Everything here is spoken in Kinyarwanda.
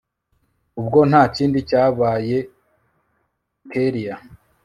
ubwo ntakindi cyabayekellia